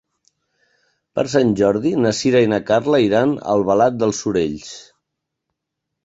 Per Sant Jordi na Sira i na Carla iran a Albalat dels Sorells.